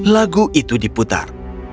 lagu itu diputar